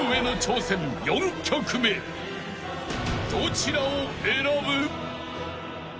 ［どちらを選ぶ？］